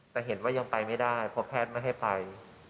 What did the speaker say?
แต่เห็นว่ายังไปไม่ได้เพราะแพทย์ไม่ให้ไป